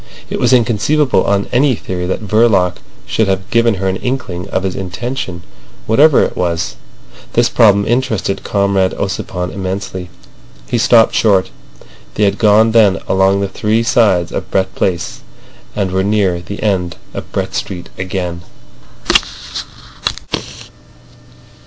It was inconceivable on any theory that Verloc should have given her an inkling of his intention—whatever it was. This problem interested Comrade Ossipon immensely. He stopped short. They had gone then along the three sides of Brett Place, and were near the end of Brett Street again.